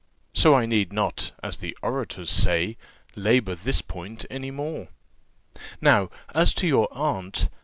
So I need not, as the orators say, labour this point any more. Now, as to your aunt.